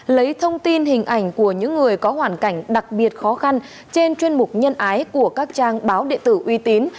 lấy thông tin hình ảnh của những người có hoàn cảnh đặc biệt khó khăn trên chuyên mục nhân ái của các trang báo địa tử uy tín